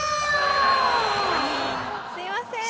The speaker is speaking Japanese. すいません！